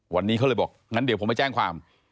วันนี้เขาเลยบอกงั้นเดี๋ยวผมไปแจ้งความ